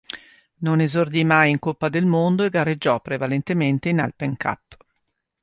Non esordì mai in Coppa del Mondo e gareggiò prevalentemente in Alpen Cup.